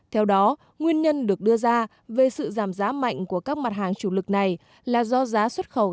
theo đó nguyên nhân được đưa ra về sự giảm giá mạnh của các mặt hàng chủ lực này là do giá xuất khẩu